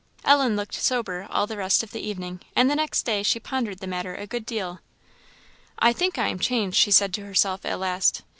Ellen looked sober all the rest of the evening, and the next day she pondered the matter a good deal. "I think I am changed," she said to herself, at last.